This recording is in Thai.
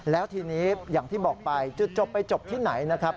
แล้วทีนี้อย่างที่บอกไปจุดจบไปจบที่ไหนนะครับ